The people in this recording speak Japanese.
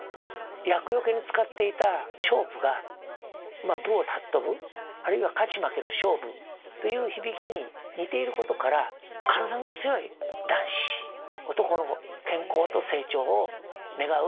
厄よけに使っていた菖蒲がまあ武を尚ぶあるいは勝ち負けの「勝負」という響きに似ていることから体の強い男子男の子健康と成長を願う行事へ変わっていったんです。